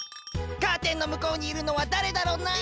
カーテンのむこうにいるのは誰だろな？